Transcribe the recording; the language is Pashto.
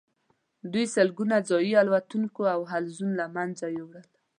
دوی سلګونه ځايي الوتونکي او حلزون له منځه یوړل.